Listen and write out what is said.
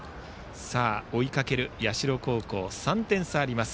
追いかける社高校３点差があります。